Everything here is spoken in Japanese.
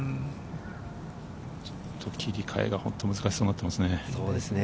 ちょっと切り替えが本当に難しそうになっていますね。